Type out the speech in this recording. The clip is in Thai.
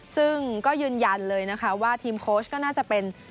ซึ่งก็ยืนยันเลยนะคะว่าทีมโค้ชก็น่าจะเป็น